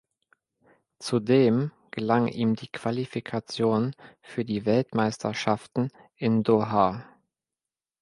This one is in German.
Zudem gelang ihm die Qualifikation für die Weltmeisterschaften in Doha.